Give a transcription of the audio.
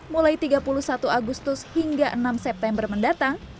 mulai tiga puluh satu agustus hingga enam september mendatang